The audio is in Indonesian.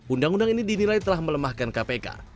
undang undang ini dinilai telah melemahkan kpk